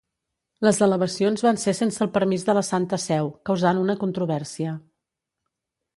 Les elevacions van ser sense el permís de la Santa Seu, causant una controvèrsia.